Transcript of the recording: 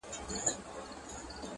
خلک په تعصب تورنوم